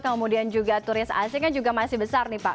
kemudian juga turis asing kan juga masih besar nih pak